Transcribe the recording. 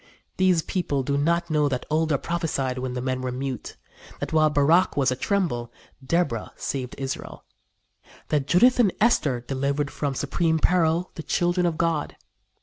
These people do not know that Olda prophesied when the men were mute; that while Barach was atremble, Deborah saved Israel; that Judith and Esther delivered from supreme peril the children of God.